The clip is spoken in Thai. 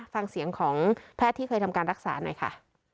ฟังเสียงของแพทย์ที่เคยทำการรักษาหน่อยค่ะ